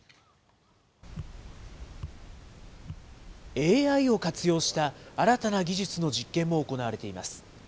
ＡＩを活用した新たな技術の実験も行われています。